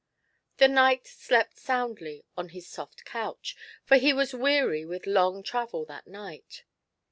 The knight slept soundly on his soft couch, for he was weary with long travel that night.